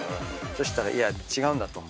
そしたらいや違うんだと。